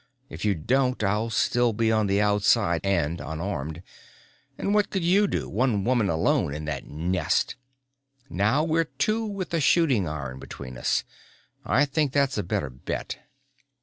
If you don't I'll still be on the outside and unarmed and what could you do, one woman alone in that nest? Now we're two with a shooting iron between us. I think that's a better bet."